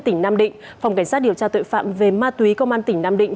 tỉnh nam định phòng cảnh sát điều tra tội phạm về ma túy công an tỉnh nam định